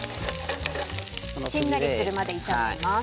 しんなりするまで炒めます。